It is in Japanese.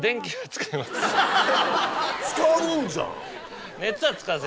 使うんじゃん。